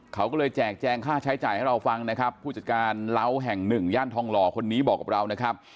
เขาก็เลยแจกแจงค่าใช้จ่ายให้เราฟังนะครับผู้จัดการเล้าแห่งหนึ่งย่านทองหล่อคนนี้บอกกับเรานะครับ